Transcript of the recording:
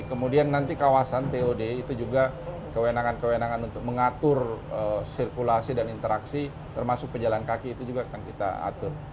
kemudian nanti kawasan tod itu juga kewenangan kewenangan untuk mengatur sirkulasi dan interaksi termasuk pejalan kaki itu juga akan kita atur